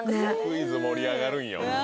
クイズ盛り上がるんよ